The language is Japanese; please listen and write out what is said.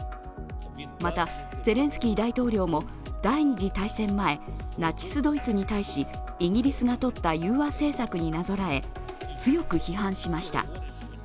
また、ゼレンスキー大統領も第二次大戦前、ナチス・ドイツに対しイギリスがとった融和政策になぞらえ、強く批判しました。